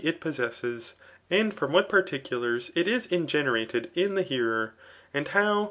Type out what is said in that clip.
it possesses, and from what particulars it is 3q§» Herated.lan. tfab hearer,] and how